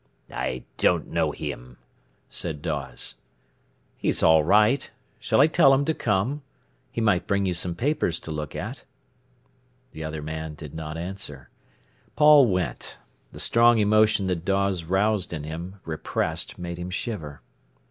"I don't know him," said Dawes. "He's all right. Should I tell him to come? He might bring you some papers to look at." The other man did not answer. Paul went. The strong emotion that Dawes aroused in him, repressed, made him shiver.